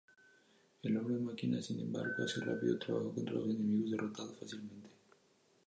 El Hombre Máquina sin embargo, hace un rápido trabajo contra los enemigos derrotándolos fácilmente.